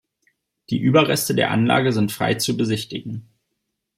Die Überreste der Anlage sind frei zu besichtigen.